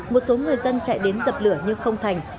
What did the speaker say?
một số người dân chạy đến dập lửa nhưng không thành